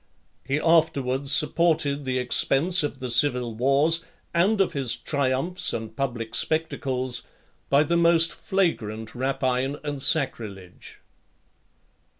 He afterwards supported the expense of the civil wars, and of his triumphs and public spectacles, by the most flagrant rapine and sacrilege.